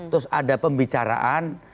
terus ada pembicaraan